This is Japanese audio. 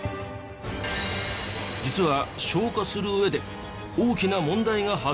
実は消火する上で大きな問題が発生したんです。